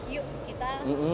yuk kita kemana dulu bang